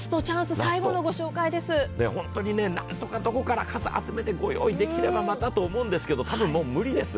本当に何とか数集めて御用意できればまたと思うんですけど、たぶん、もう無理です。